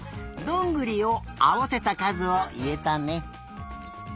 どんぐりをあわせたかずをいえたね。